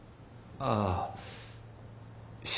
ああ。